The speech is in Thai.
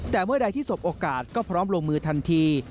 แต่เมื่อใดที่สบโอกาสก็พร้อมลงมือทันที